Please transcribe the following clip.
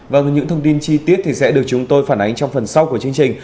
và những thông tin chi tiết thì sẽ được chúng tôi phản ánh trong phần sau của chương trình